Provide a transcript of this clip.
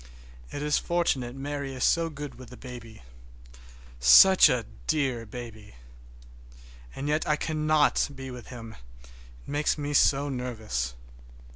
It is fortunate Mary is so good with the baby. Such a dear baby! And yet I cannot be with him, it makes me so nervous.